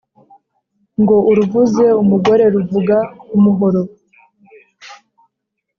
ngo uruvuze umugore ruvuga umuhoro